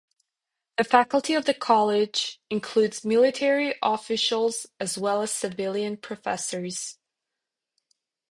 The faculty of the college includes military officials as well as civilian professors.